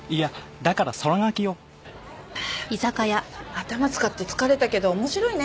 頭使って疲れたけど面白いね